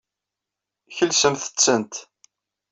Kelsemt-tent.